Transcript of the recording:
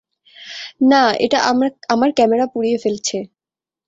না, এটা আমার ক্যামেরা পুড়িয়ে ফেলছে।